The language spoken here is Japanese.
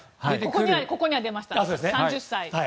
ここには出ました３０歳。